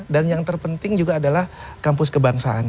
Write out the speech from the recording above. dan yang terpenting juga adalah kampus kebangsaan